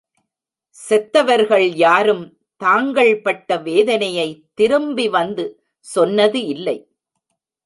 செத்தவர்கள் யாரும் தாங்கள் பட்ட வேதனையைத் திரும்பி வந்து சொன்னது இல்லை.